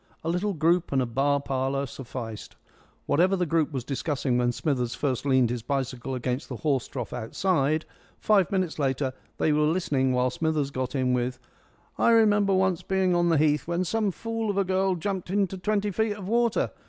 A little group and a bar parlour sufficed. Whatever the group was discussing when Smithers first leaned his bicycle against the horse trough outside, five minutes later they were listening while Smithers got in with "I remember once being on the Heath when some fool of a girl jumped into twenty feet of water.